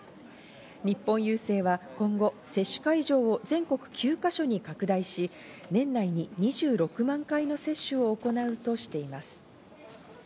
日本郵政は今後、接種会場を全国９か所に拡大し、年内に２６万回の接種を行うとしています。